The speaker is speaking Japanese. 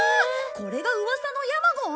これがうわさのヤマゴン？